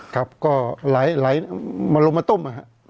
ครับก็ไหลมาลงมาต้ม